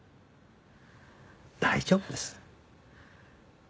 大丈夫です。